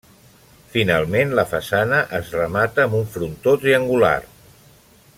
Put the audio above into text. Finalment, la façana es remata amb un frontó triangular.